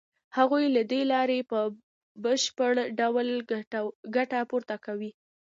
هغوی له دې لارې په بشپړ ډول ګټه پورته کوي